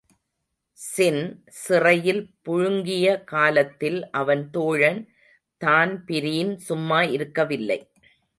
ஸின் சிறையின் புழுங்கிய காலத்தில் அவன் தோழன் தான்பிரீன் சும்மா இருக்கவில்லை.